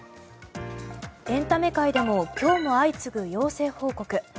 エンタメ界でも今日も相次ぐ陽性報告。